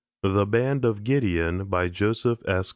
THE BAND OF GIDEON JOSEPH S.